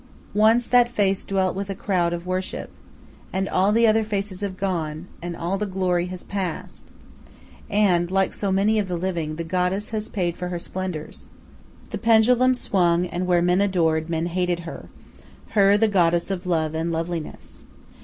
Once that face dwelt with a crowd of worship. And all the other faces have gone, and all the glory has passed. And, like so many of the living, the goddess has paid for her splendors. The pendulum swung, and where men adored, men hated her her the goddess of love and loveliness.